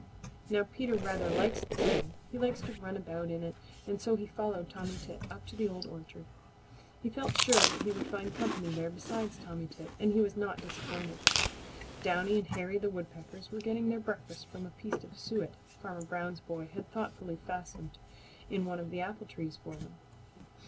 Now Peter rather likes the snow. He likes to run about in it, and so he followed Tommy Tit up to the Old Orchard. He felt sure that he would find company there besides Tommy Tit, and he was not disappointed. Downy and Hairy the Woodpeckers were getting their breakfast from a piece of suet Farmer Brown's boy had thoughtfully fastened in one of the apple trees for them.